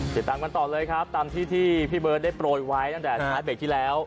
ติดตามกันต่อเลยครับตามที่ที่พี่เบิร์ตได้โปรยไว้ตั้งแต่ท้ายเบรกที่แล้ว